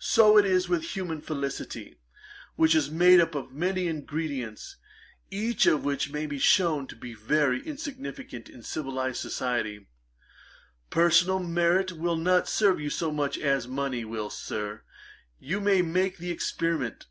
So it is with human felicity, which is made up of many ingredients, each of which may be shewn to be very insignificant. In civilized society, personal merit will not serve you so much as money will. Sir, you may make the experiment.